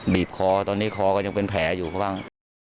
บีบคอตอนนี้คอก็ยังเป็นแผลอยู่บ้าง